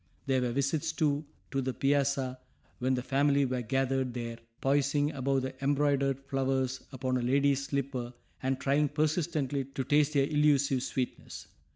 There were visits, too, to the piazza, when the family were gathered there, poising above the embroidered flowers upon a lady's slipper and trying persistently to taste their illusive sweetness.